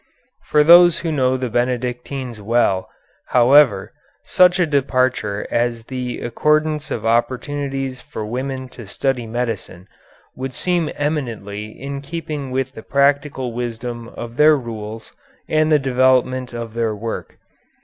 For those who know the Benedictines well, however, such a departure as the accordance of opportunities for women to study medicine would seem eminently in keeping with the practical wisdom of their rules and the development of their work.